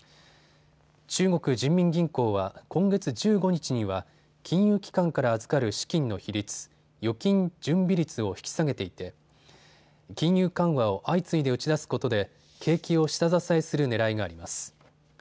中国人民銀行は今月１５日には金融機関から預かる資金の比率、預金準備率を引き下げていて金融緩和を相次いで打ち出すことで景気を下支えするねらいがあります。